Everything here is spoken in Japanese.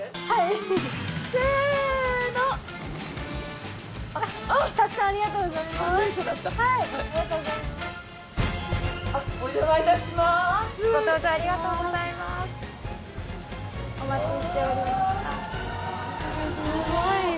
はい。